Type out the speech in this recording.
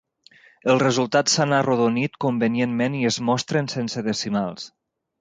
Els resultats s'han arrodonit convenientment i es mostren sense decimals.